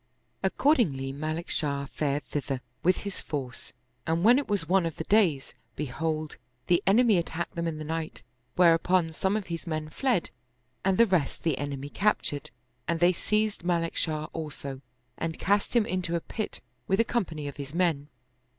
Accord ingly Malik Shah fared thither with his force and when it was one of the days, behold, the enemy attacked them in the night ; whereupon some of his men fled and the rest the en emy captured; and they seized Malik Shah also and cast him into a pit with a company of his men.